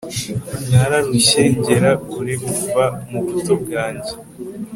nararushye ngera kure kuva mu buto bwanjye